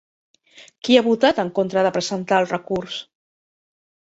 Qui ha votat en contra de presentar el recurs?